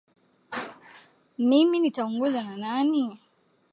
Mimi nitaongozwa na nani